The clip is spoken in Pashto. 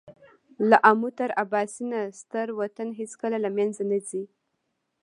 له آمو تر اباسینه ستر وطن هېڅکله له مېنځه نه ځي.